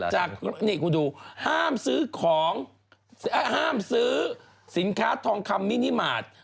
จากนี่คุณดูห้ามซื้อของห้ามซื้อสินค้าทองคำมินิมาตร